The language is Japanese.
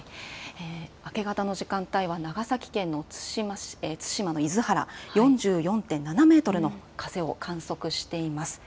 明け方の時間帯は、長崎県の対馬の厳原、４４．７メートルの風を観測しています。